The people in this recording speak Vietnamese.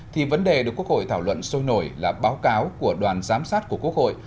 thì vấn đề được quốc hội thảo luận sôi nổi là báo cáo của đoàn giám sát của quốc hội